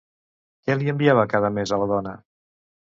Què li enviava cada mes a la dona?